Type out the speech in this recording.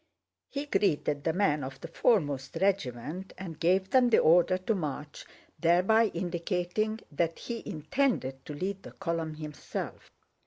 He greeted the men of the foremost regiment and gave them the order to march, thereby indicating that he intended to lead that column himself.